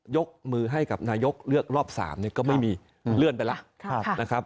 ยกมือให้กับนายกเลือกรอบ๓ก็ไม่มีเลื่อนไปแล้วนะครับ